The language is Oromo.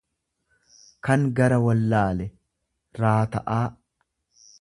kan gara wallaale, raata'aa.